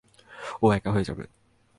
ও একা হয়ে যাবে।